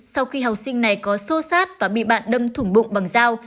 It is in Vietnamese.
sau khi học sinh này có sô sát và bị bạn đâm thủng bụng bằng dao